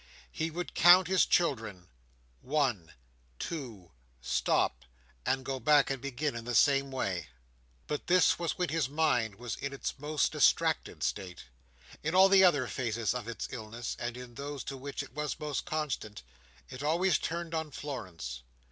He would count his children—one—two—stop, and go back, and begin again in the same way. But this was when his mind was in its most distracted state. In all the other phases of its illness, and in those to which it was most constant, it always turned on Florence.